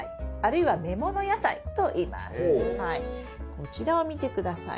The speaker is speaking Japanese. こちらを見て下さい。